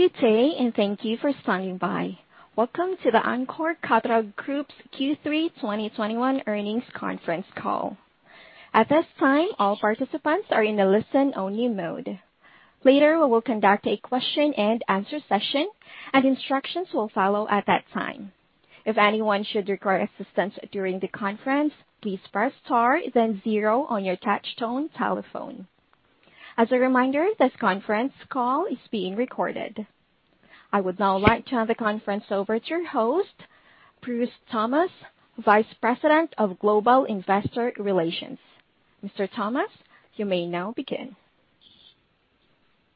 Good day, and thank you for standing by. Welcome to the Encore Capital Group's Q3 2021 earnings conference call. At this time, all participants are in a listen-only mode. Later, we will conduct a question-and-answer session, and instructions will follow at that time. If anyone should require assistance during the conference, please press Star, then zero on your touch-tone telephone. As a reminder, this conference call is being recorded. I would now like to turn the conference over to your host, Bruce Thomas, Vice President of Global Investor Relations. Mr. Thomas, you may now begin.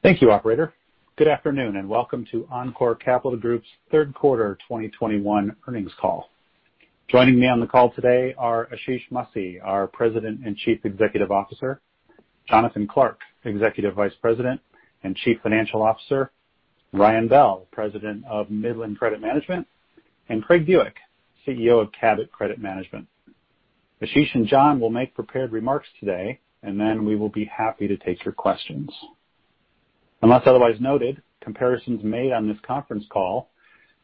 Thank you, operator. Good afternoon, and welcome to Encore Capital Group's third quarter 2021 earnings call. Joining me on the call today are Ashish Masih, our President and Chief Executive Officer; Jonathan Clark, Executive Vice President and Chief Financial Officer; Ryan Bell, President of Midland Credit Management; and Craig Buick, CEO of Cabot Credit Management. Ashish and John will make prepared remarks today, and then we will be happy to take your questions. Unless otherwise noted, comparisons made on this conference call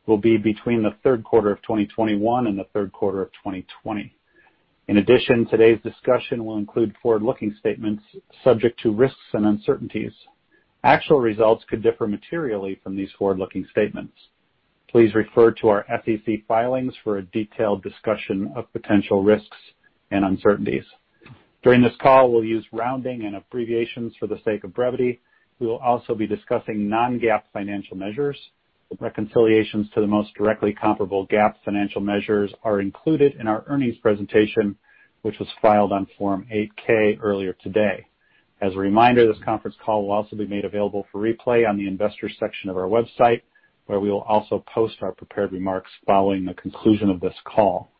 will be between the third quarter of 2021 and the third quarter of 2020. In addition, today's discussion will include forward-looking statements subject to risks and uncertainties. Actual results could differ materially from these forward-looking statements. Please refer to our SEC filings for a detailed discussion of potential risks and uncertainties. During this call, we'll use rounding and abbreviations for the sake of brevity. We will also be discussing non-GAAP financial measures. Reconciliations to the most directly comparable GAAP financial measures are included in our earnings presentation, which was filed on Form 8-K earlier today. As a reminder, this conference call will also be made available for replay on the investors section of our website, where we will also post our prepared remarks following the conclusion of this call.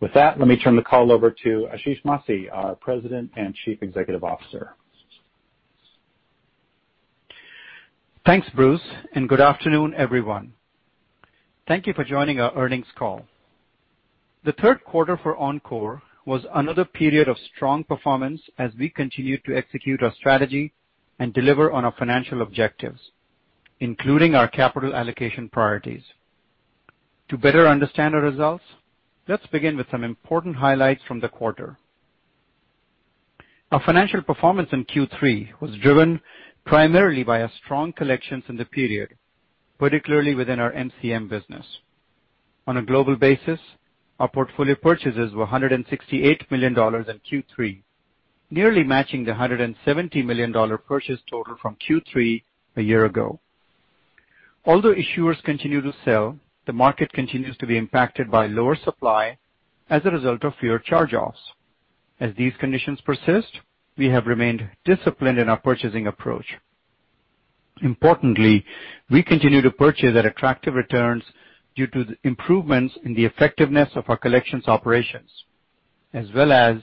With that, let me turn the call over to Ashish Masih, our President and Chief Executive Officer. Thanks, Bruce, and good afternoon, everyone. Thank you for joining our earnings call. The third quarter for Encore was another period of strong performance as we continued to execute our strategy and deliver on our financial objectives, including our capital allocation priorities. To better understand our results, let's begin with some important highlights from the quarter. Our financial performance in Q3 was driven primarily by strong collections in the period, particularly within our MCM business. On a global basis, our portfolio purchases were $168 million in Q3, nearly matching the $170 million purchase total from Q3 a year ago. Although issuers continue to sell, the market continues to be impacted by lower supply as a result of fewer charge-offs. As these conditions persist, we have remained disciplined in our purchasing approach. Importantly, we continue to purchase at attractive returns due to the improvements in the effectiveness of our collections operations, as well as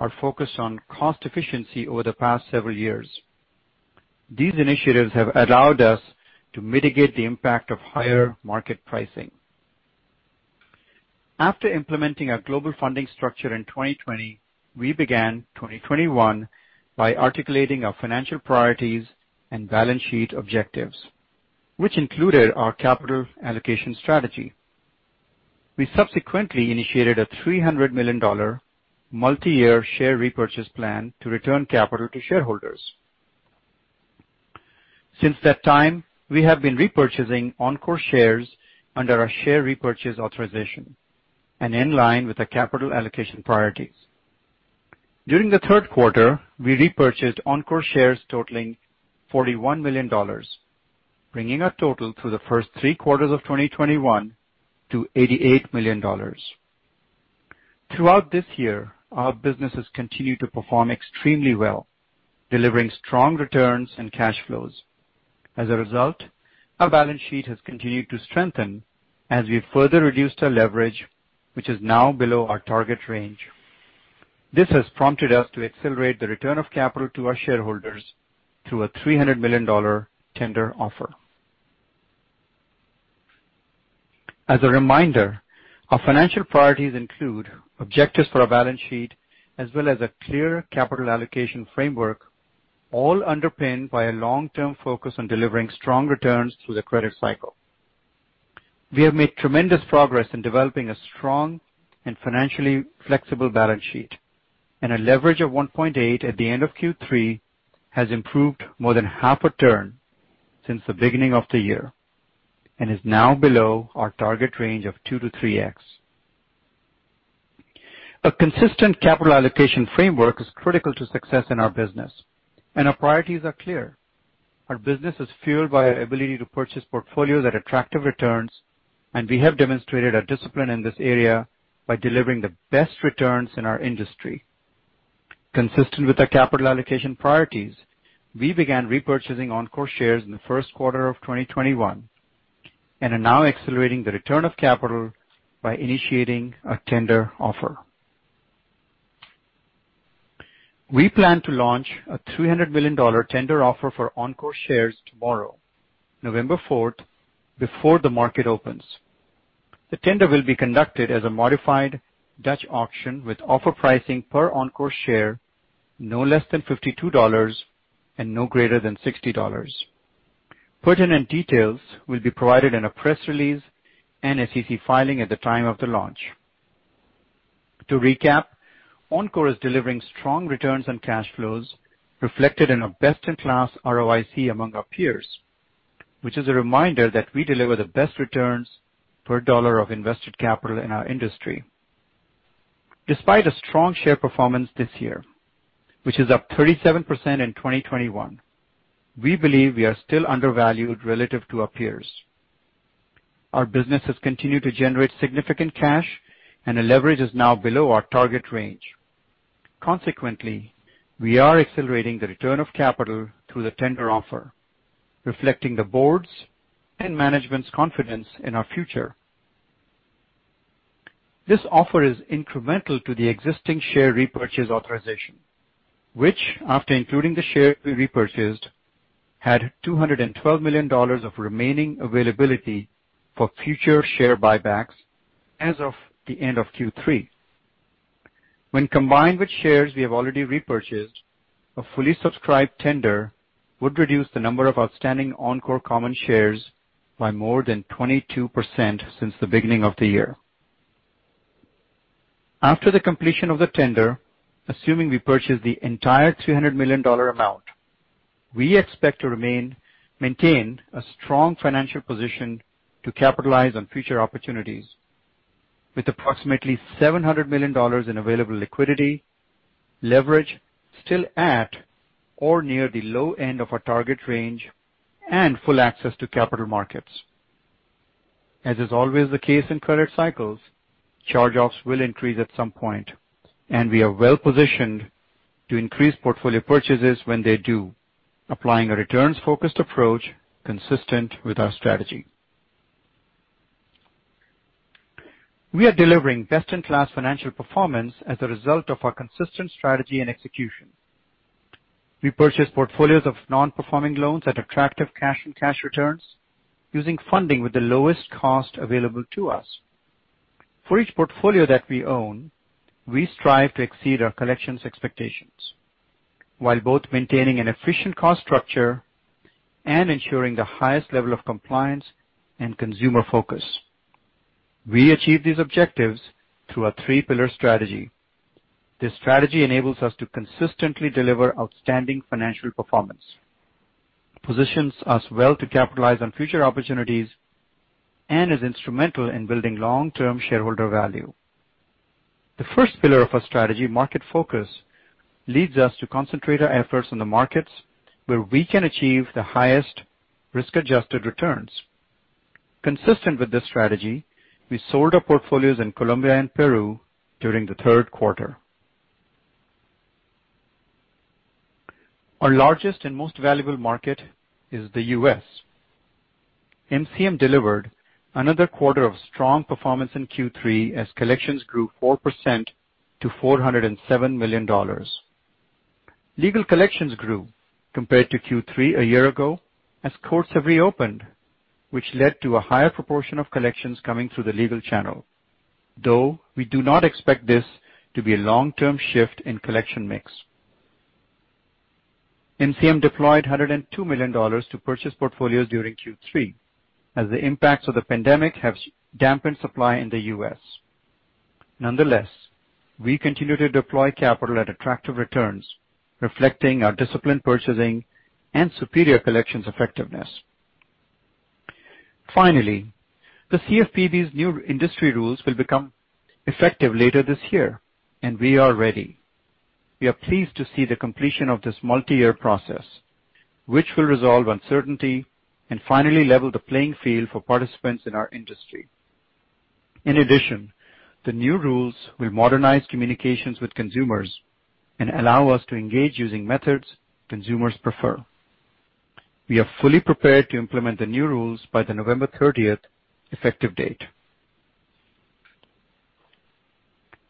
our focus on cost efficiency over the past several years. These initiatives have allowed us to mitigate the impact of higher market pricing. After implementing our global funding structure in 2020, we began 2021 by articulating our financial priorities and balance sheet objectives, which included our capital allocation strategy. We subsequently initiated a $300 million multi-year share repurchase plan to return capital to shareholders. Since that time, we have been repurchasing Encore shares under our share repurchase authorization and in line with the capital allocation priorities. During the third quarter, we repurchased Encore shares totaling $41 million, bringing our total through the first three quarters of 2021 to $88 million. Throughout this year, our businesses continue to perform extremely well, delivering strong returns and cash flows. As a result, our balance sheet has continued to strengthen as we've further reduced our leverage, which is now below our target range. This has prompted us to accelerate the return of capital to our shareholders through a $300 million tender offer. As a reminder, our financial priorities include objectives for our balance sheet as well as a clear capital allocation framework, all underpinned by a long-term focus on delivering strong returns through the credit cycle. We have made tremendous progress in developing a strong and financially flexible balance sheet, and our leverage of 1.8 at the end of Q3 has improved more than half a turn since the beginning of the year and is now below our target range of 2x-3x. A consistent capital allocation framework is critical to success in our business, and our priorities are clear. Our business is fueled by our ability to purchase portfolios at attractive returns, and we have demonstrated our discipline in this area by delivering the best returns in our industry. Consistent with our capital allocation priorities, we began repurchasing Encore shares in the first quarter of 2021 and are now accelerating the return of capital by initiating a tender offer. We plan to launch a $300 million tender offer for Encore shares tomorrow, November 4, 2021, before the market opens. The tender will be conducted as a modified Dutch auction with offer pricing per Encore share no less than $52 and no greater than $60. Further details will be provided in a press release and SEC filing at the time of the launch. To recap, Encore is delivering strong returns on cash flows reflected in our best-in-class ROIC among our peers, which is a reminder that we deliver the best returns per dollar of invested capital in our industry. Despite a strong share performance this year, which is up 37% in 2021, we believe we are still undervalued relative to our peers. Our business has continued to generate significant cash, and our leverage is now below our target range. Consequently, we are accelerating the return of capital through the tender offer, reflecting the board's and management's confidence in our future. This offer is incremental to the existing share repurchase authorization, which, after including the share we repurchased, had $212 million of remaining availability for future share buybacks as of the end of Q3. When combined with shares we have already repurchased, a fully subscribed tender would reduce the number of outstanding Encore common shares by more than 22% since the beginning of the year. After the completion of the tender, assuming we purchase the entire $200 million amount, we expect to maintain a strong financial position to capitalize on future opportunities with approximately $700 million in available liquidity, leverage still at or near the low end of our target range, and full access to capital markets. As is always the case in credit cycles, charge-offs will increase at some point, and we are well-positioned to increase portfolio purchases when they do, applying a returns-focused approach consistent with our strategy. We are delivering best-in-class financial performance as a result of our consistent strategy and execution. We purchase portfolios of non-performing loans at attractive cash returns using funding with the lowest cost available to us. For each portfolio that we own, we strive to exceed our collections expectations while both maintaining an efficient cost structure and ensuring the highest level of compliance and consumer focus. We achieve these objectives through our three-pillar strategy. This strategy enables us to consistently deliver outstanding financial performance, positions us well to capitalize on future opportunities, and is instrumental in building long-term shareholder value. The first pillar of our strategy, market focus, leads us to concentrate our efforts on the markets where we can achieve the highest risk-adjusted returns. Consistent with this strategy, we sold our portfolios in Colombia and Peru during the third quarter. Our largest and most valuable market is the U.S. MCM delivered another quarter of strong performance in Q3 as collections grew 4% to $407 million. Legal collections grew compared to Q3 a year ago as courts have reopened, which led to a higher proportion of collections coming through the legal channel. Though we do not expect this to be a long-term shift in collection mix. MCM deployed $102 million to purchase portfolios during Q3 as the impacts of the pandemic have dampened supply in the U.S. Nonetheless, we continue to deploy capital at attractive returns, reflecting our disciplined purchasing and superior collections effectiveness. Finally, the CFPB's new industry rules will become effective later this year, and we are ready. We are pleased to see the completion of this multi-year process which will resolve uncertainty and finally level the playing field for participants in our industry. In addition, the new rules will modernize communications with consumers and allow us to engage using methods consumers prefer. We are fully prepared to implement the new rules by the November 30 effective date.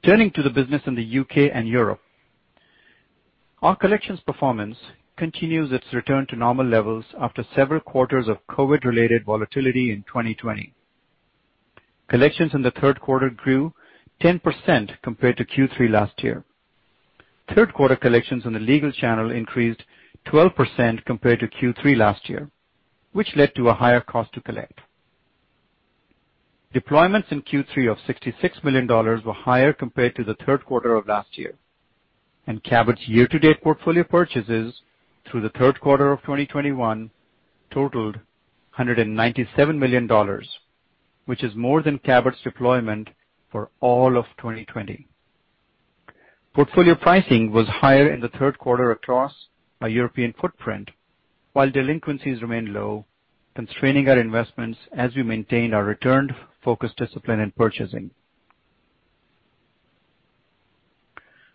Turning to the business in the U.K. and Europe. Our collections performance continues its return to normal levels after several quarters of COVID-related volatility in 2020. Collections in the third quarter grew 10% compared to Q3 last year. Third quarter collections in the legal channel increased 12% compared to Q3 last year, which led to a higher cost to collect. Deployments in Q3 of $66 million were higher compared to the third quarter of last year. Cabot's year-to-date portfolio purchases through the third quarter of 2021 totaled $197 million, which is more than Cabot's deployment for all of 2020. Portfolio pricing was higher in the third quarter across our European footprint while delinquencies remained low, constraining our investments as we maintained our return-focused discipline in purchasing.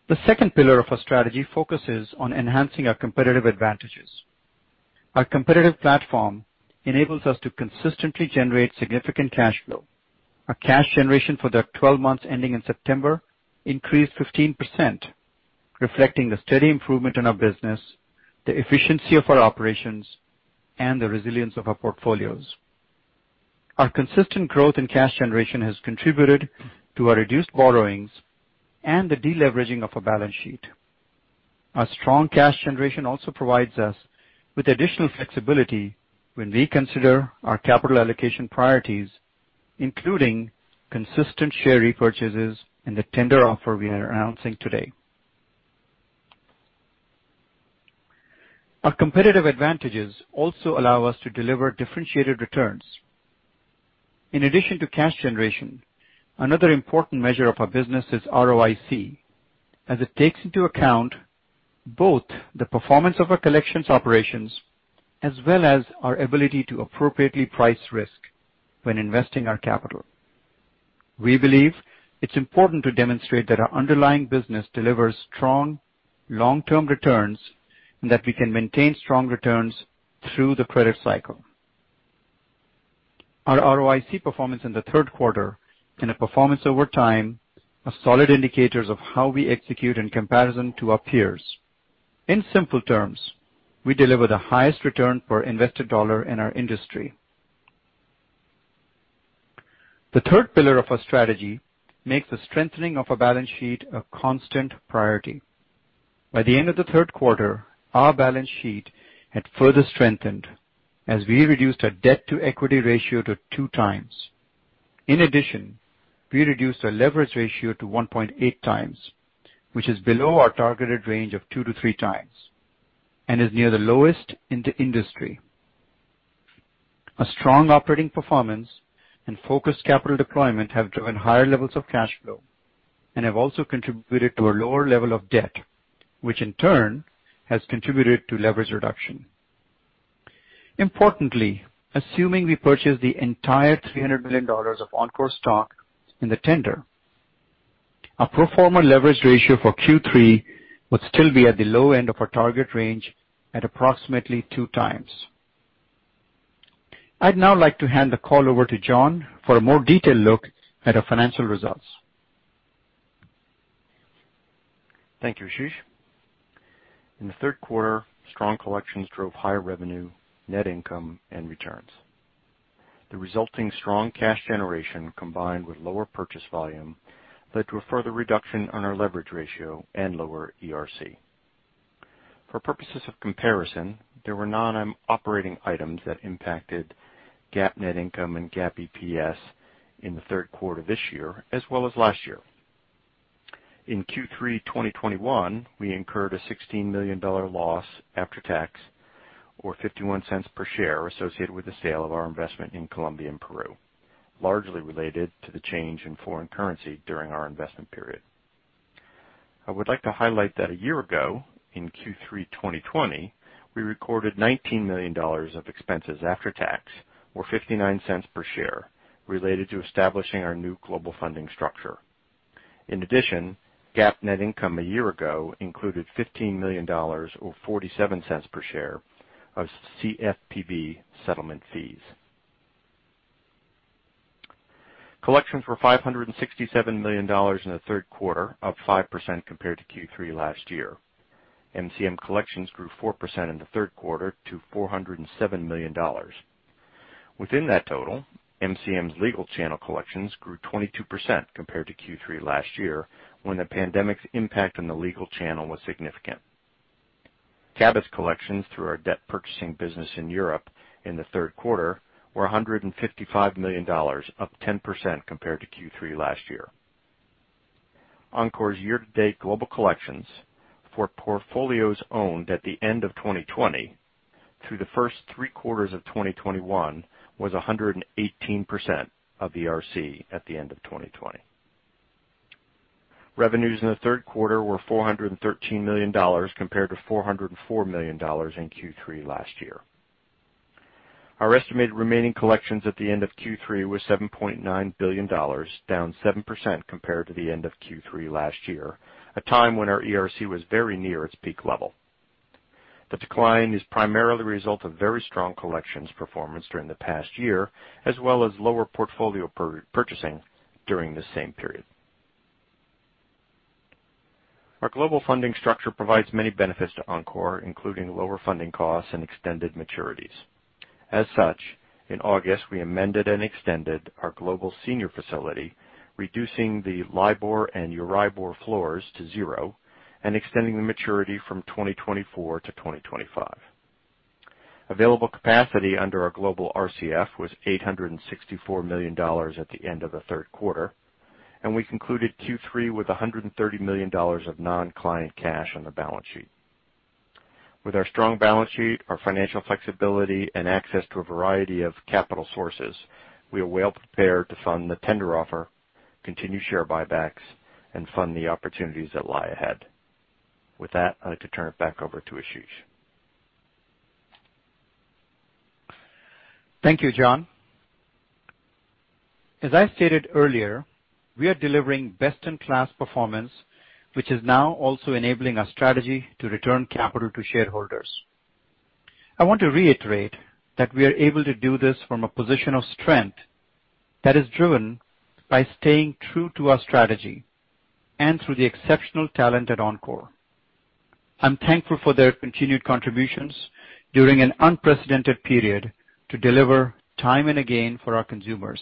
The second pillar of our strategy focuses on enhancing our competitive advantages. Our competitive platform enables us to consistently generate significant cash flow. Our cash generation for the 12 months ending in September increased 15%. Reflecting the steady improvement in our business, the efficiency of our operations, and the resilience of our portfolios. Our consistent growth in cash generation has contributed to our reduced borrowings and the deleveraging of our balance sheet. Our strong cash generation also provides us with additional flexibility when we consider our capital allocation priorities, including consistent share repurchases and the tender offer we are announcing today. Our competitive advantages also allow us to deliver differentiated returns. In addition to cash generation, another important measure of our business is ROIC, as it takes into account both the performance of our collections operations as well as our ability to appropriately price risk when investing our capital. We believe it's important to demonstrate that our underlying business delivers strong long-term returns and that we can maintain strong returns through the credit cycle. Our ROIC performance in the third quarter and performance over time are solid indicators of how we execute in comparison to our peers. In simple terms, we deliver the highest return per invested dollar in our industry. The third pillar of our strategy makes the strengthening of our balance sheet a constant priority. By the end of the third quarter, our balance sheet had further strengthened as we reduced our debt-to-equity ratio to 2x. In addition, we reduced our leverage ratio to 1.8, which is below our targeted range of 2x-3x and is near the lowest in the industry. A strong operating performance and focused capital deployment have driven higher levels of cash flow and have also contributed to a lower level of debt, which in turn has contributed to leverage reduction. Importantly, assuming we purchase the entire $300 million of Encore stock in the tender, our pro forma leverage ratio for Q3 would still be at the low end of our target range at approximately 2 times. I'd now like to hand the call over to John for a more detailed look at our financial results. Thank you, Ashish. In the third quarter, strong collections drove higher revenue, net income, and returns. The resulting strong cash generation, combined with lower purchase volume, led to a further reduction on our leverage ratio and lower ERC. For purposes of comparison, there were non-operating items that impacted GAAP net income and GAAP EPS in the third quarter this year, as well as last year. In Q3 2021, we incurred a $16 million loss after tax or $0.51 per share associated with the sale of our investment in Colombia and Peru, largely related to the change in foreign currency during our investment period. I would like to highlight that a year ago, in Q3 2020, we recorded $19 million of expenses after tax or $0.59 per share related to establishing our new global funding structure. In addition, GAAP net income a year ago included $15 million or 47 cents per share of CFPB settlement fees. Collections were $567 million in the third quarter, up 5% compared to Q3 last year. MCM collections grew 4% in the third quarter to $407 million. Within that total, MCM's legal channel collections grew 22% compared to Q3 last year, when the pandemic's impact on the legal channel was significant. Cabot's collections through our debt purchasing business in Europe in the third quarter were $155 million, up 10% compared to Q3 last year. Encore's year-to-date global collections for portfolios owned at the end of 2020 through the first three quarters of 2021 was 118% of ERC at the end of 2020. Revenues in the third quarter were $413 million compared to $404 million in Q3 last year. Our estimated remaining collections at the end of Q3 was $7.9 billion, down 7% compared to the end of Q3 last year, a time when our ERC was very near its peak level. The decline is primarily the result of very strong collections performance during the past year as well as lower portfolio purchasing during the same period. Our global funding structure provides many benefits to Encore, including lower funding costs and extended maturities. As such, in August, we amended and extended our global senior facility, reducing the LIBOR and Euribor floors to zero and extending the maturity from 2024 to 2025. Available capacity under our global RCF was $864 million at the end of the third quarter, and we concluded Q3 with $130 million of non-client cash on the balance sheet. With our strong balance sheet, our financial flexibility, and access to a variety of capital sources, we are well prepared to fund the tender offer, continue share buybacks, and fund the opportunities that lie ahead. With that, I'd like to turn it back over to Ashish. Thank you, John. As I stated earlier, we are delivering best-in-class performance, which is now also enabling our strategy to return capital to shareholders. I want to reiterate that we are able to do this from a position of strength that is driven by staying true to our strategy and through the exceptional talent at Encore. I'm thankful for their continued contributions during an unprecedented period to deliver time and again for our consumers.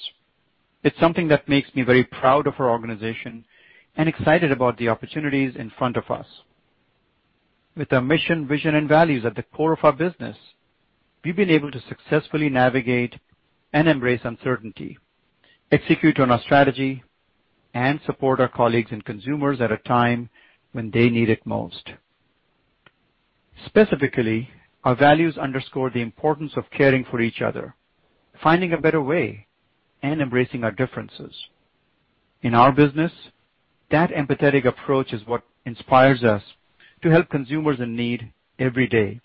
It's something that makes me very proud of our organization and excited about the opportunities in front of us. With our mission, vision, and values at the core of our business, we've been able to successfully navigate and embrace uncertainty, execute on our strategy, and support our colleagues and consumers at a time when they need it most. Specifically, our values underscore the importance of caring for each other, finding a better way, and embracing our differences. In our business, that empathetic approach is what inspires us to help consumers in need every day.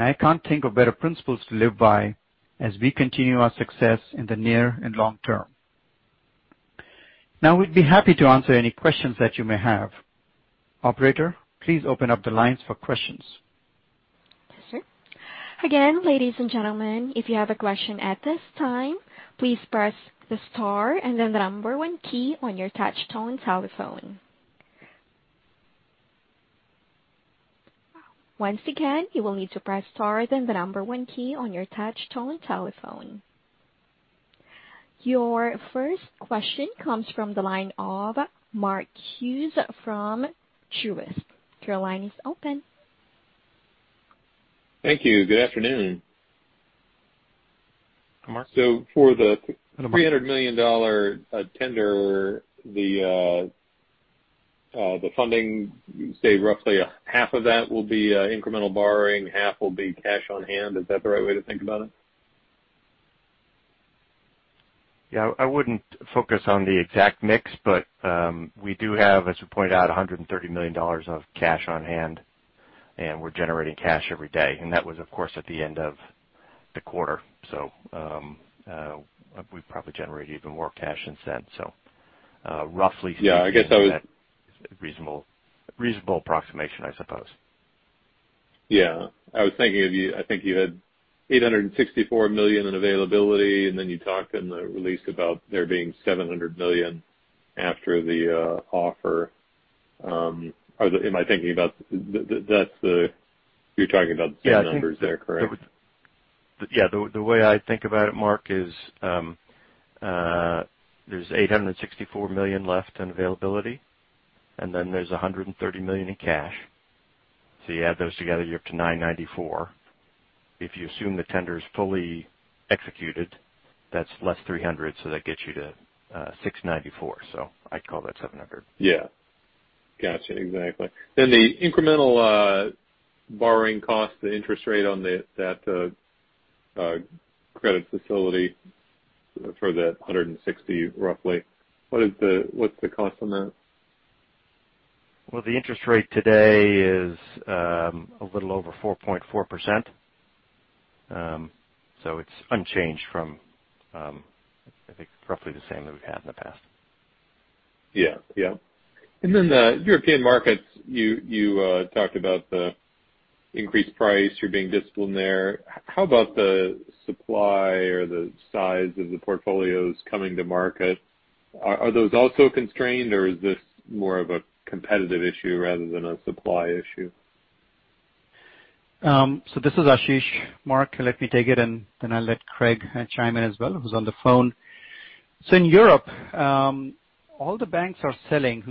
I can't think of better principles to live by as we continue our success in the near and long term. Now, we'd be happy to answer any questions that you may have. Operator, please open up the lines for questions. Yes, sir. Again, ladies and gentlemen, if you have a question at this time, please press the star and then the number one key on your touch-tone telephone. Once again, you will need to press star, then the number one key on your touch-tone telephone. Your first question comes from the line of Mark Hughes from Truist. Your line is open. Thank you. Good afternoon. Mark. For the $300 million tender, the funding, you say roughly half of that will be incremental borrowing, half will be cash on hand. Is that the right way to think about it? Yeah, I wouldn't focus on the exact mix, but we do have, as you point out, $130 million of cash on hand, and we're generating cash every day. That was, of course, at the end of the quarter. We've probably generated even more cash since then. Roughly- Yeah, I guess I was. Reasonable, reasonable approximation, I suppose. Yeah. I was thinking of you, I think you had $864 million in availability, and then you talked in the release about there being $700 million after the offer. Or am I thinking about that? That's the same numbers you're talking about there, correct? Yeah. The way I think about it, Mark, is there's $864 million left in availability, and then there's $130 million in cash. You add those together, you're up to $994 million. If you assume the tender is fully executed, that's less $300 million, so that gets you to $694 million. I'd call that $700 million. Yeah. Gotcha. Exactly. The incremental borrowing cost, the interest rate on that credit facility for the $160, roughly, what's the cost on that? Well, the interest rate today is a little over 4.4%. It's unchanged from I think roughly the same that we've had in the past. The European markets, you talked about the increased price. You're being disciplined there. How about the supply or the size of the portfolios coming to market? Are those also constrained or is this more of a competitive issue rather than a supply issue? This is Ashish. Mark, let me take it and then I'll let Craig chime in as well, who's on the phone. In Europe, all the banks are selling,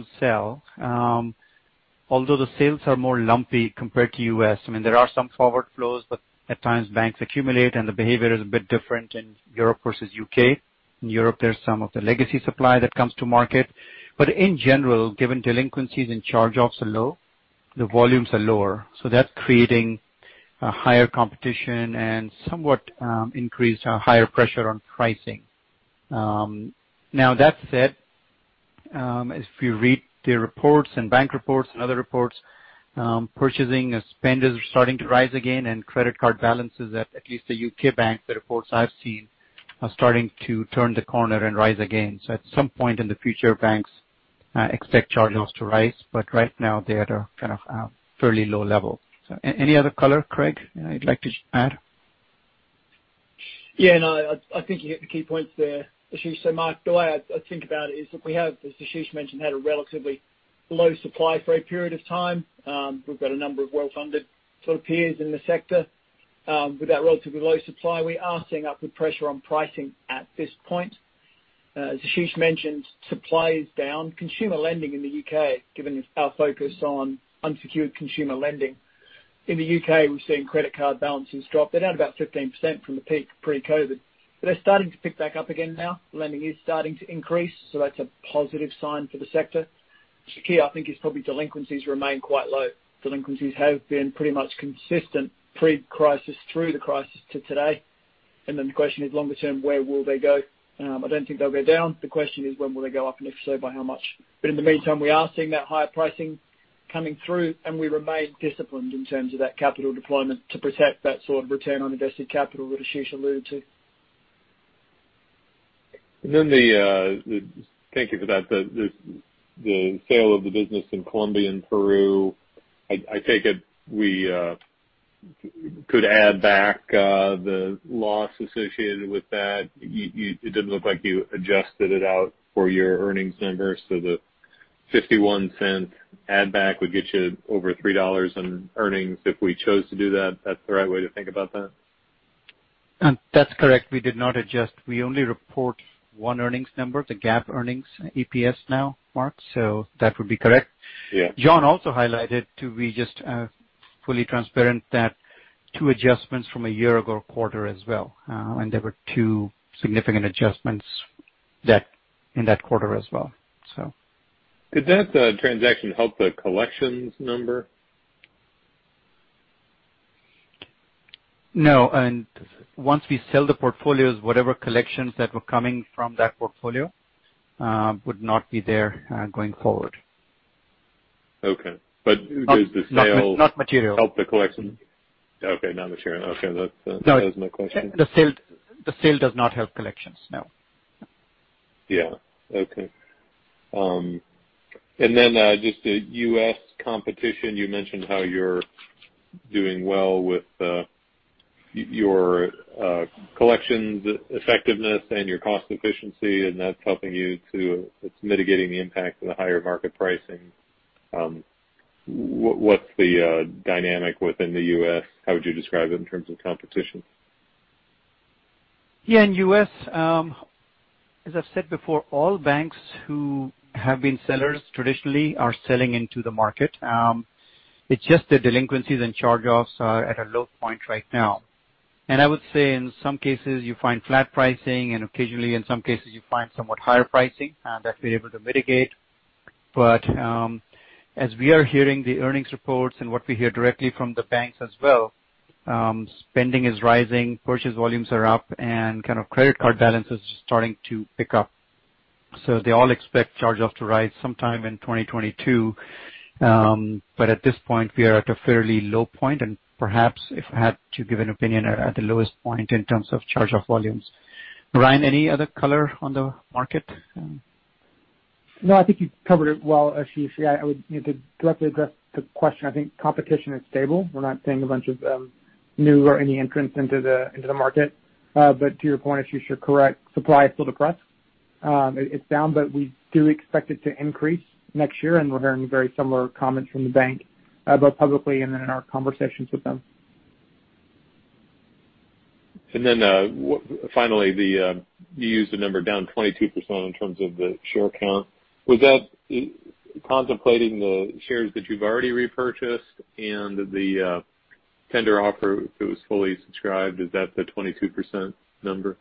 although the sales are more lumpy compared to U.S. I mean, there are some forward flows, but at times banks accumulate and the behavior is a bit different in Europe versus U.K. In Europe, there's some of the legacy supply that comes to market. In general, given delinquencies and charge-offs are low, the volumes are lower. That's creating a higher competition and somewhat increased or higher pressure on pricing. Now that said, if you read the reports and bank reports and other reports, purchasing and spend is starting to rise again and credit card balances at least the U.K. bank, the reports I've seen, are starting to turn the corner and rise again. At some point in the future, banks expect charge-offs to rise, but right now they are at a kind of a fairly low level. Any other color, Craig, you'd like to add? Yeah. No, I think you hit the key points there, Ashish. Mark, the way I think about it is that we have, as Ashish mentioned, had a relatively low supply for a period of time. We've got a number of well-funded sort of peers in the sector. With that relatively low supply, we are seeing upward pressure on pricing at this point. As Ashish mentioned, supply is down, consumer lending in the U.K., given our focus on unsecured consumer lending. In the U.K., we've seen credit card balances drop. They're down about 15% from the peak pre-COVID, but they're starting to pick back up again now. Lending is starting to increase, so that's a positive sign for the sector. The key, I think, is probably delinquencies remain quite low. Delinquencies have been pretty much consistent pre-crisis through the crisis to today. Then the question is longer term, where will they go? I don't think they'll go down. The question is when will they go up? If so, by how much? In the meantime, we are seeing that higher pricing coming through and we remain disciplined in terms of that capital deployment to protect that sort of return on invested capital that Ashish alluded to. Thank you for that. The sale of the business in Colombia and Peru, I take it we could add back the loss associated with that. It didn't look like you adjusted it out for your earnings numbers. The $0.51 add-back would get you over $3 in earnings if we chose to do that. That's the right way to think about that? That's correct. We did not adjust. We only report one earnings number, the GAAP earnings EPS now, Mark. That would be correct. Yeah. John also highlighted, to be just fully transparent, that two adjustments from a year ago quarter as well. There were two significant adjustments that in that quarter as well, so. Could that transaction help the collections number? No. Once we sell the portfolios, whatever collections that were coming from that portfolio, would not be there, going forward. Okay. Does the sale Not material. ...help the collection? Okay, not material. Okay, that's it. No. That was my question. The sale does not help collections, no. Yeah. Okay. Just the U.S. competition, you mentioned how you're doing well with your collections effectiveness and your cost efficiency, and that's helping you. It's mitigating the impact of the higher market pricing. What's the dynamic within the U.S.? How would you describe it in terms of competition? Yeah, in U.S., as I've said before, all banks who have been sellers traditionally are selling into the market. It's just the delinquencies and charge-offs are at a low point right now. I would say in some cases, you find flat pricing, and occasionally in some cases you find somewhat higher pricing, and that we're able to mitigate. As we are hearing the earnings reports and what we hear directly from the banks as well, spending is rising, purchase volumes are up, and kind of credit card balance is starting to pick up. They all expect charge-off to rise sometime in 2022. At this point, we are at a fairly low point, and perhaps if I had to give an opinion, at the lowest point in terms of charge-off volumes. Ryan, any other color on the market? No, I think you covered it well, Ashish. Yeah, I would, you know, to directly address the question, I think competition is stable. We're not seeing a bunch of new or any entrants into the market. But to your point, Ashish, you're correct. Supply is still depressed. It's down, but we do expect it to increase next year, and we're hearing very similar comments from the bank both publicly and then in our conversations with them. Finally, you used the number down 22% in terms of the share count. Was that contemplating the shares that you've already repurchased and the tender offer, if it was fully subscribed, is that the 22% number?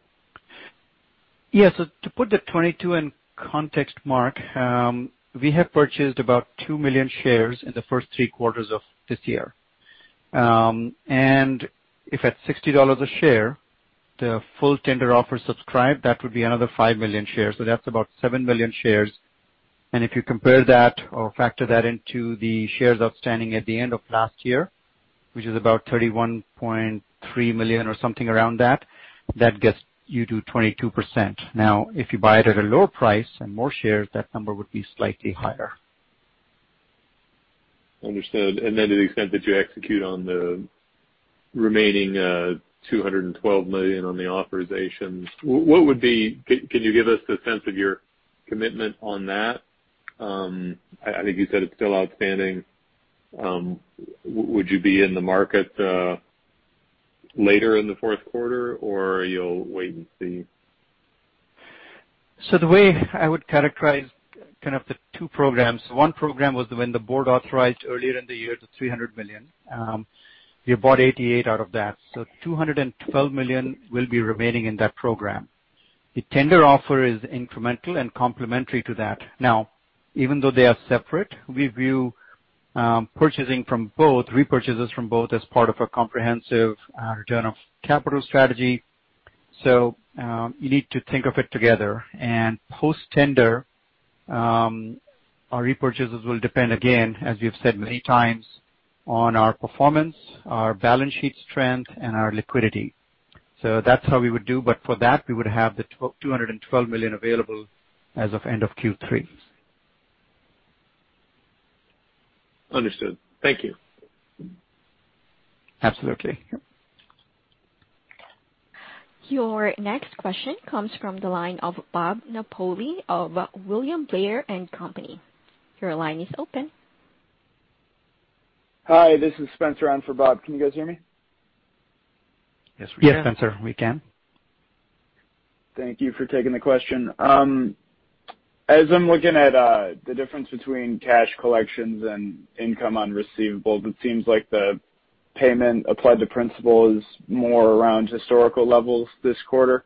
Yeah. To put the 22 in context, Mark, we have purchased about 2 million shares in the first three quarters of this year. If at $60 a share, the full tender offer subscribed, that would be another 5 million shares. That's about 7 million shares. If you compare that or factor that into the shares outstanding at the end of last year, which is about 31.3 million or something around that gets you to 22%. Now, if you buy it at a lower price and more shares, that number would be slightly higher. Understood. To the extent that you execute on the remaining $212 million on the authorizations, can you give us the sense of your commitment on that? I think you said it's still outstanding. Would you be in the market later in the fourth quarter, or you'll wait and see? The way I would characterize kind of the two programs, one program was when the Board authorized earlier in the year, the $300 million. We bought $88 out of that. $212 million will be remaining in that program. The tender offer is incremental and complementary to that. Now, even though they are separate, we view purchasing from both, repurchases from both as part of our comprehensive return of capital strategy. You need to think of it together. Post-tender, our repurchases will depend, again, as we have said many times, on our performance, our balance sheet strength, and our liquidity. That's how we would do. For that, we would have the $212 million available as of end of Q3. Understood. Thank you. Absolutely. Your next question comes from the line of Bob Napoli of William Blair & Co. Your line is open. Hi, this is Spencer. I'm for Bob. Can you guys hear me? Yes, we can. Yes, Spencer, we can. Thank you for taking the question. As I'm looking at the difference between cash collections and income on receivables, it seems like the payment applied to principal is more around historical levels this quarter.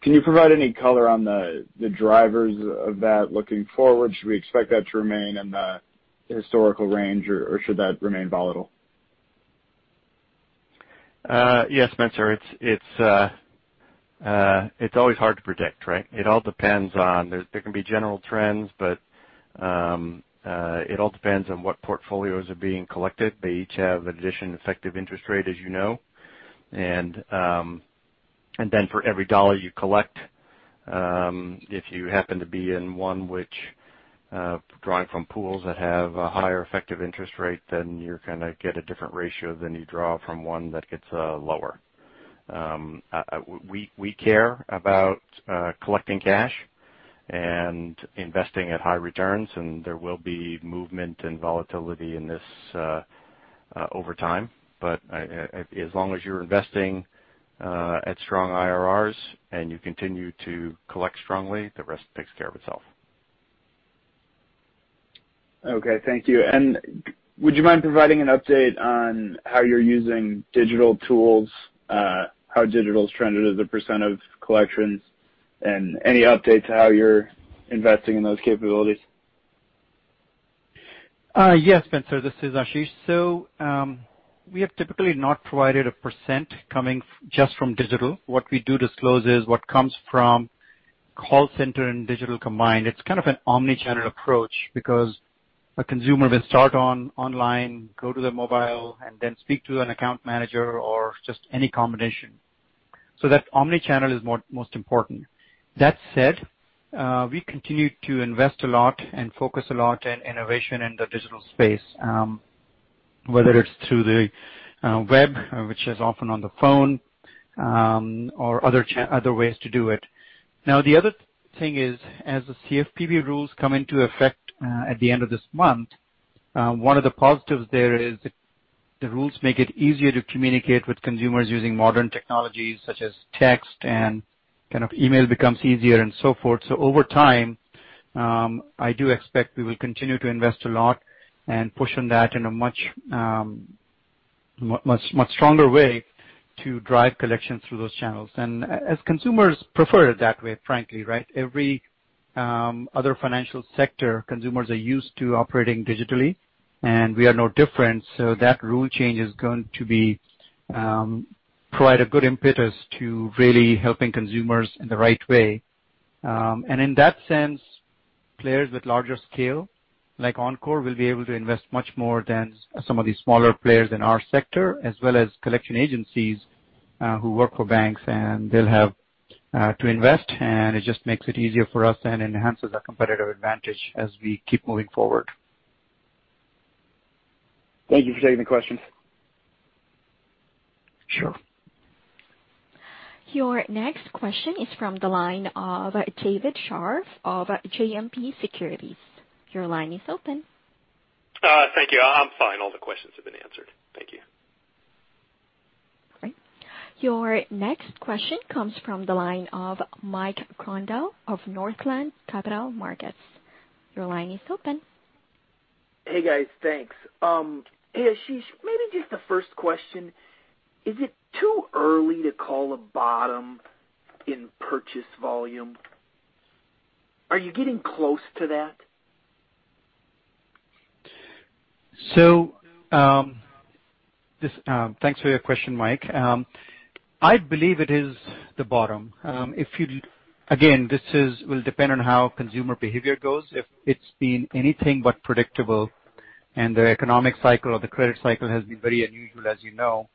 Can you provide any color on the drivers of that looking forward? Should we expect that to remain in the historical range or should that remain volatile? Yes, Spencer. It's always hard to predict, right? It all depends on. There can be general trends, but It all depends on what portfolios are being collected. They each have an additional effective interest rate, as you know. Then for every dollar you collect, if you happen to be in one which drawing from pools that have a higher effective interest rate, then you're gonna get a different ratio than you draw from one that gets lower. We care about collecting cash and investing at high returns, and there will be movement and volatility in this over time. As long as you're investing at strong IRRs and you continue to collect strongly, the rest takes care of itself. Okay. Thank you. Would you mind providing an update on how you're using digital tools, how digital's trended as a % of collections and any updates on how you're investing in those capabilities? Yes, Spencer. This is Ashish. We have typically not provided a percent coming just from digital. What we do disclose is what comes from call-center and digital combined. It's kind of an omni-channel approach because a consumer will start online, go to their mobile, and then speak to an account manager or just any combination. That omni-channel is most important. That said, we continue to invest a lot and focus a lot on innovation in the digital space, whether it's through the web, which is often on the phone, or other ways to do it. Now, the other thing is, as the CFPB rules come into effect at the end of this month, one of the positives there is the rules make it easier to communicate with consumers using modern technologies such as text and kind of email becomes easier and so forth. Over time, I do expect we will continue to invest a lot and push on that in a much stronger way to drive collections through those channels. As consumers prefer it that way, frankly, right? Every other financial sector consumers are used to operating digitally, and we are no different. That rule change is going to provide a good impetus to really helping consumers in the right way. In that sense, players with larger scale, like Encore, will be able to invest much more than some of these smaller players in our sector, as well as collection agencies who work for banks, and they'll have to invest. It just makes it easier for us and enhances our competitive advantage as we keep moving forward. Thank you for taking the question. Sure. Your next question is from the line of David Scharf of JMP Securities. Your line is open. Thank you. I'm fine. All the questions have been answered. Thank you. All right. Your next question comes from the line of Mike Grondahl of Northland Capital Markets. Your line is open. Hey, guys. Thanks. Hey, Ashish, maybe just the first question, is it too early to call a bottom in purchase volume? Are you getting close to that? Thanks for your question, Mike. I believe it is the bottom. It will depend on how consumer behavior goes. If it's been anything but predictable and the economic cycle or the credit cycle has been very unusual, as you know,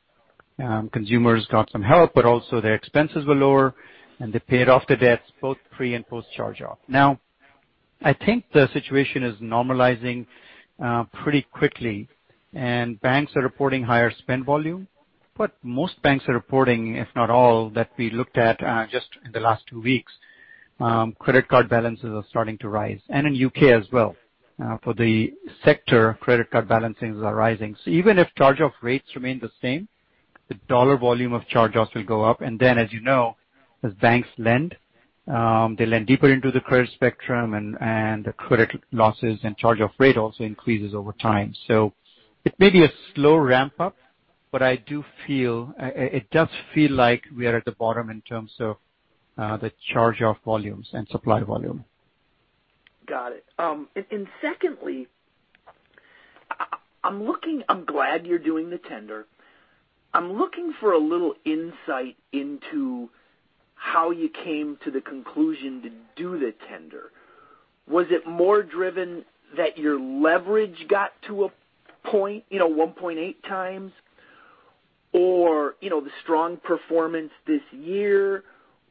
consumers got some help, but also their expenses were lower and they paid off the debts both pre and post charge-off. Now, I think the situation is normalizing pretty quickly and banks are reporting higher spend volume. Most banks are reporting, if not all, that we looked at, just in the last two weeks, credit card balances are starting to rise. In U.K. as well, for the sector, credit card balances are rising. Even if charge-off rates remain the same, the dollar volume of charge-offs will go up. As you know, as banks lend, they lend deeper into the credit spectrum and the credit losses and charge-off rate also increases over time. It may be a slow ramp up, but I do feel, it does feel like we are at the bottom in terms of the charge-off volumes and supply volume. Got it. Secondly, I'm glad you're doing the tender. I'm looking for a little insight into how you came to the conclusion to do the tender. Was it more driven that your leverage got to a point, you know, 1.8? Or you know, the strong performance this year?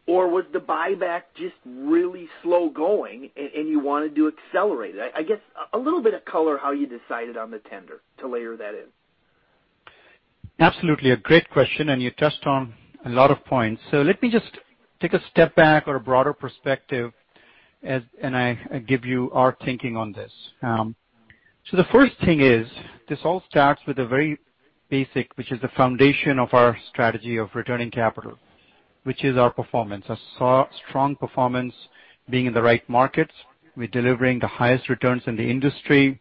Or was the buyback just really slow going and you wanted to accelerate it? I guess a little bit of color how you decided on the tender to layer that in. Absolutely. A great question, and you touched on a lot of points. Let me just take a step back or a broader perspective and I give you our thinking on this. The first thing is this all starts with a very basic, which is the foundation of our strategy of returning capital, which is our performance, strong performance being in the right markets. We're delivering the highest returns in the industry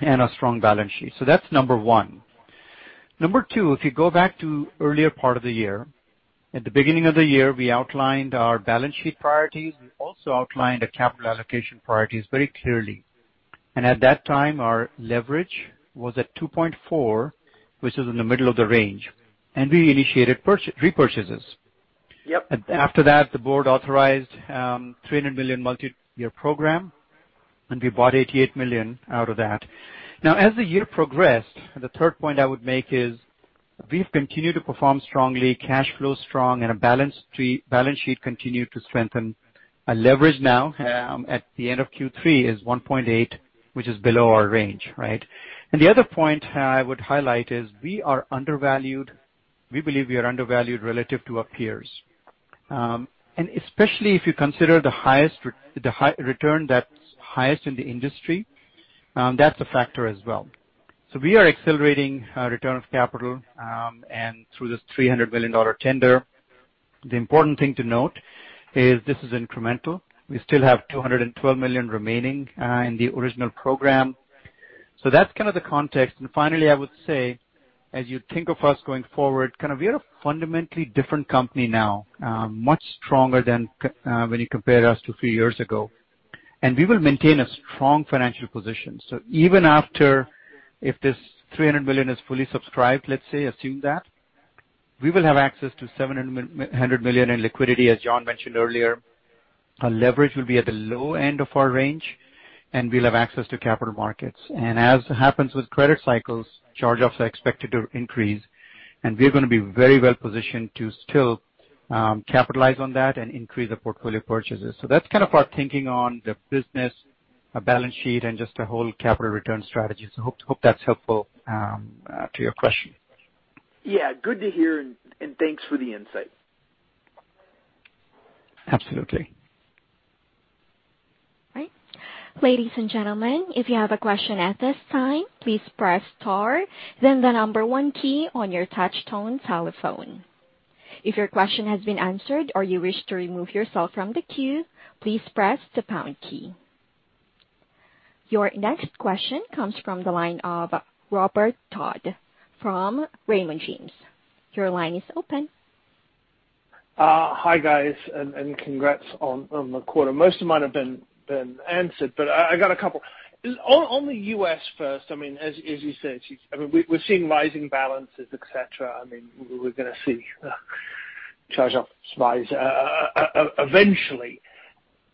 and a strong balance sheet. That's number one. Number two, if you go back to earlier part of the year, at the beginning of the year, we outlined our balance sheet priorities. We also outlined the capital allocation priorities very clearly. And at that time, our leverage was at 2.4, which is in the middle of the range. And we initiated repurchases. Yep. After that, the board authorized a $300 million multi-year program, and we bought $88 million out of that. Now, as the year progressed, the third point I would make is we've continued to perform strongly, cash flow is strong and our balance sheet continued to strengthen. Our leverage now, at the end of Q3 is 1.8, which is below our range, right? The other point I would highlight is we are undervalued. We believe we are undervalued relative to our peers. Especially if you consider the high return that's highest in the industry, that's a factor as well. We are accelerating our return of capital, and through this $300 million tender. The important thing to note is this is incremental. We still have $212 million remaining in the original program. That's kind of the context. Finally, I would say, as you think of us going forward, kind of we are a fundamentally different company now, much stronger when you compare us to a few years ago. We will maintain a strong financial position. Even after if this $300 million is fully subscribed, let's say, assume that, we will have access to $700 million in liquidity, as John mentioned earlier. Our leverage will be at the low end of our range, and we'll have access to capital markets. As happens with credit cycles, charge-offs are expected to increase. We're gonna be very well positioned to still capitalize on that and increase the portfolio purchases. That's kind of our thinking on the business, our balance sheet and just the whole capital return strategy. Hope that's helpful to your question. Yeah. Good to hear, and thanks for the insight. Absolutely. Right. Ladies and gentlemen, if you have a question at this time, please press star then the number one key on your touch-tone telephone. If your question has been answered or you wish to remove yourself from the queue, please press the pound key. Your next question comes from the line of Robert Dodd from Raymond James. Your line is open. Hi, guys, and congrats on the quarter. Most of mine have been answered, but I got a couple. On the U.S. first, I mean, as you said, I mean, we're seeing rising balances, et cetera. I mean, we're gonna see charge-offs rise eventually.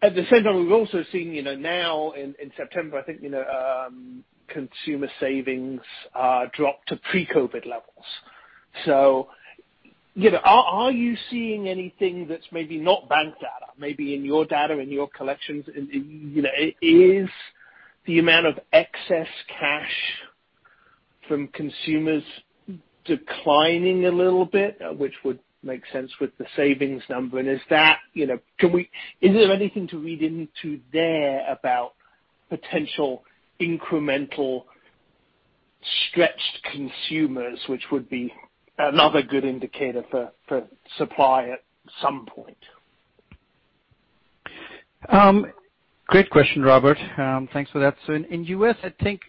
At the same time, we're also seeing, you know, now in September, I think, you know, consumer savings drop to pre-COVID levels. You know, are you seeing anything that's maybe not bank data, maybe in your data, in your collections, you know, is the amount of excess cash from consumers declining a little bit? Which would make sense with the savings number. Is that, you know, can we... Is there anything to read into there about potential incremental stretched consumers which would be another good indicator for supply at some point? Great question, Robert. Thanks for that. In U.S., I think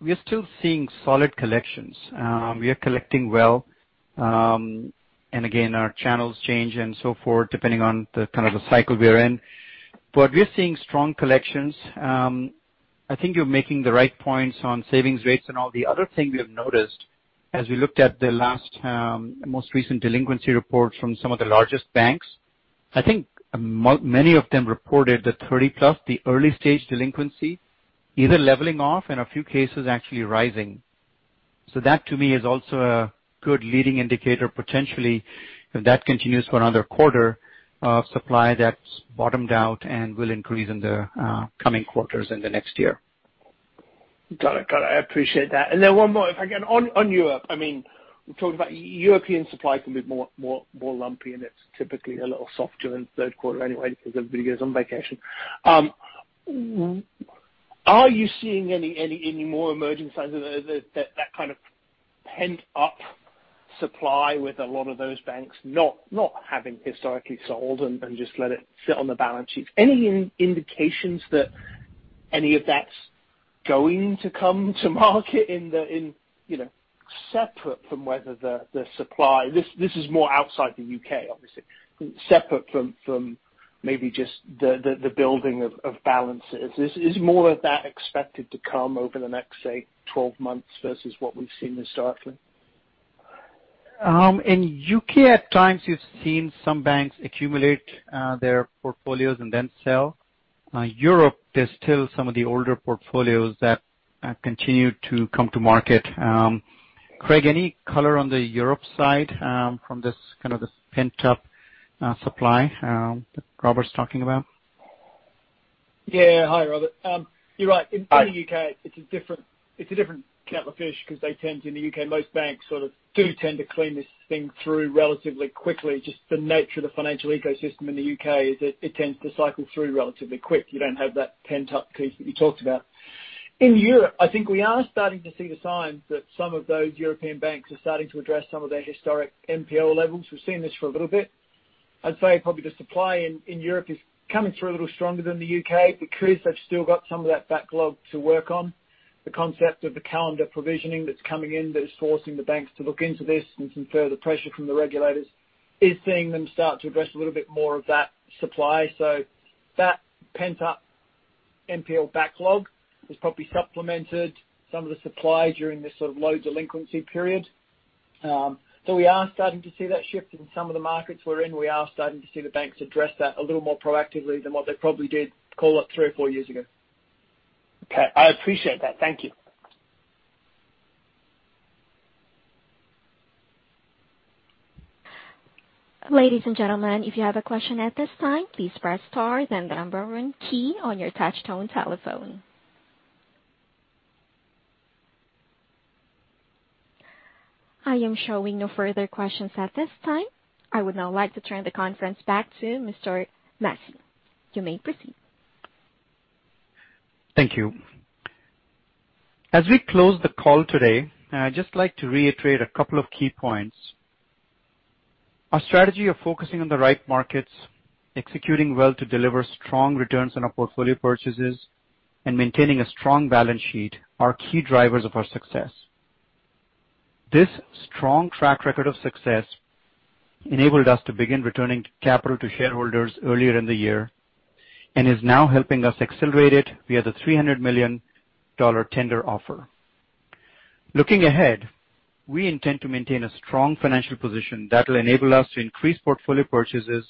we are still seeing solid collections. We are collecting well. Again, our channels change and so forth depending on the kind of cycle we are in. We are seeing strong collections. I think you're making the right points on savings rates and all. The other thing we have noticed as we looked at the latest, most recent delinquency reports from some of the largest banks, I think many of them reported the 30+, the early stage delinquency, either leveling off and a few cases actually rising. That to me is also a good leading indicator, potentially, if that continues for another quarter of supply that's bottomed out and will increase in the coming quarters in the next year. Got it. I appreciate that. One more if I can. On Europe, I mean, we talked about European supply can be more lumpy, and it's typically a little softer in the third quarter anyway because everybody goes on vacation. Are you seeing any more emerging signs of that kind of pent up supply with a lot of those banks not having historically sold and just let it sit on the balance sheets? Any indications that any of that's going to come to market in the, you know, separate from whether the supply. This is more outside the U.K. obviously. Separate from maybe just the building of balances. Is more of that expected to come over the next, say, 12 months versus what we've seen historically? In the U.K. at times you've seen some banks accumulate their portfolios and then sell. In Europe, there's still some of the older portfolios that continue to come to market. Craig, any color on the Europe side from this kind of pent up supply that Robert's talking about? Yeah. Hi, Robert. You're right. Hi. In the U.K. it's a different kettle of fish because they tend to, in the U.K. most banks sort of do tend to clean this thing through relatively quickly. Just the nature of the financial ecosystem in the U.K. is. It tends to cycle through relatively quick. You don't have that pent up piece that you talked about. In Europe, I think we are starting to see the signs that some of those European banks are starting to address some of their historic NPL levels. We've seen this for a little bit. I'd say probably the supply in Europe is coming through a little stronger than the U.K. because they've still got some of that backlog to work on. The concept of the calendar provisioning that's coming in that is forcing the banks to look into this and some further pressure from the regulators is seeing them start to address a little bit more of that supply. That pent up NPL backlog has probably supplemented some of the supply during this sort of low delinquency period. We are starting to see that shift in some of the markets we're in. We are starting to see the banks address that a little more proactively than what they probably did call it three or four years ago. Okay. I appreciate that. Thank you. Ladies and gentlemen, if you have a question at this time, please press star then the number one key on your touch-tone telephone. I am showing no further questions at this time. I would now like to turn the conference back to Mr. Masih. You may proceed. Thank you. As we close the call today, I'd just like to reiterate a couple of key points. Our strategy of focusing on the right markets, executing well to deliver strong returns on our portfolio purchases, and maintaining a strong balance sheet are key drivers of our success. This strong track record of success enabled us to begin returning capital to shareholders earlier in the year and is now helping us accelerate it via the $300 million tender offer. Looking ahead, we intend to maintain a strong financial position that will enable us to increase portfolio purchases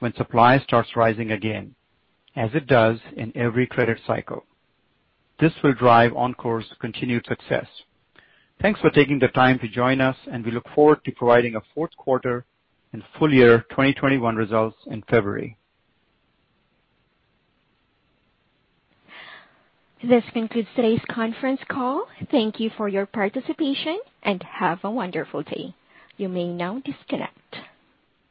when supply starts rising again, as it does in every credit cycle. This will drive Encore's continued success. Thanks for taking the time to join us, and we look forward to providing a fourth quarter and full year 2021 results in February. This concludes today's conference call. Thank you for your participation, and have a wonderful day. You may now disconnect.